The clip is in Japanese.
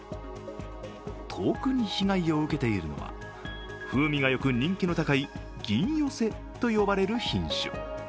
特に被害を受けているのは風味がよく人気の高い銀寄と呼ばれる品種。